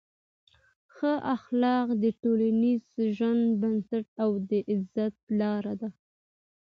ښه اخلاق د ټولنیز ژوند بنسټ او د عزت لار ده.